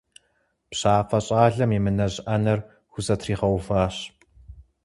ПщафӀэ щӀалэм емынэжь Ӏэнэр хузэтригъэуващ.